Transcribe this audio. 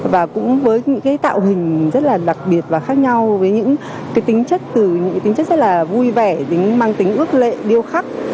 và cũng với những cái tạo hình rất là đặc biệt và khác nhau với những cái tính chất từ những tính chất rất là vui vẻ đến mang tính ước lệ điêu khắc